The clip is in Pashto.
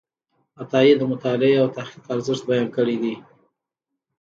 عطایي د مطالعې او تحقیق ارزښت بیان کړی دی.